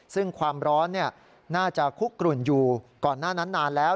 ซึ่งความร้อนน่าจะคุกกลุ่นอยู่ก่อนหน้านั้นนานแล้ว